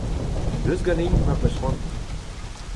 Deus ganin ma ‘peus c’hoant !